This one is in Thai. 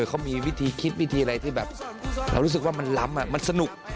เขามีวิธีคิดวิธีอะไรที่แบบเรารู้สึกว่ามันล้ำมันสนุก